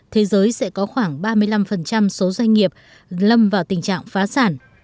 thế giới sẽ có khoảng ba mươi năm số doanh nghiệp lâm vào tình trạng phá sản